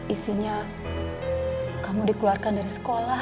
isinya kamu dikeluarkan dari sekolah